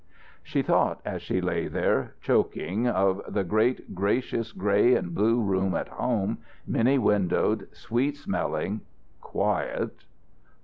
She thought, as she lay there, choking of the great gracious grey and blue room at home, many windowed, sweet smelling, quiet.